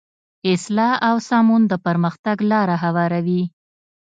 اصلاح او سمون د پرمختګ لاره هواروي.